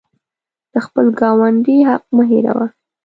د خپل ګاونډي حق مه هیروه.